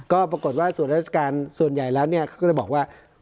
ก็ปรากฏว่าส่วนราชการส่วนใหญ่แล้วเนี้ยเขาก็จะบอกว่า